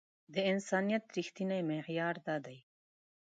د انسانيت رښتينی معيار دا دی.